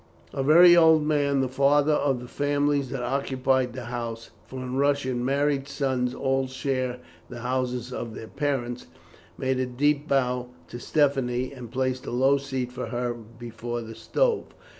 A very old man, the father of the families that occupied the house, for in Russia married sons all share the houses of their parents, made a deep bow to Stephanie, and placed a low seat for her before the stove.